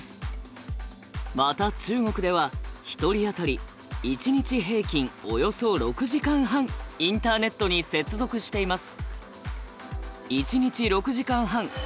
また中国では１人あたり１日平均およそ６時間半インターネットに接続しています。